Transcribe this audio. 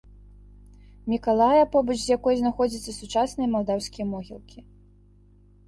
Мікалая, побач з якой знаходзяцца сучасныя малдаўскія могілкі.